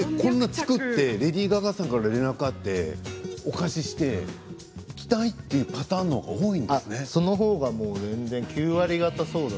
作ってレディー・ガガさんから連絡があってお貸しして着たいというパターンのほうが多いんですか。